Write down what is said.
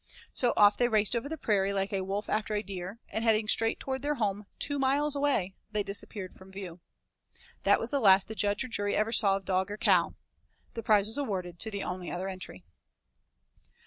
So off they raced over the prairie, like a wolf after a deer, and heading straight toward their home two miles way, they disappeared from view. That was the last that judge or jury ever saw of dog or cow. The prize was awarded to the only other entry.